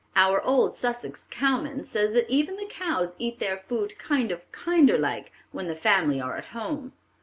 Our old Sussex cowman says that even the cows eat their food 'kind of kinder like' when the family are at home.